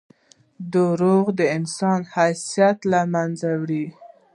• دروغ د انسان حیثیت له منځه وړي.